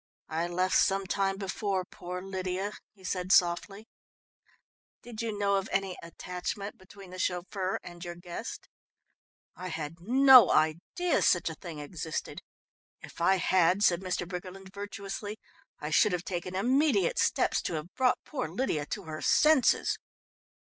"I left some time before poor Lydia," he said softly. "Did you know of any attachment between the chauffeur and your guest?" "I had no idea such a thing existed. If I had," said Mr. Briggerland virtuously, "I should have taken immediate steps to have brought poor Lydia to her senses."